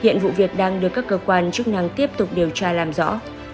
hiện vụ việc đang được các cơ quan chức năng tiếp tục điều tra làm rõ